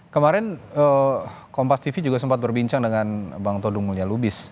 kemarin kompas tv juga sempat berbincang dengan bang todung mulya lubis